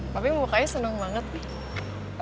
tapi mukanya seneng banget nih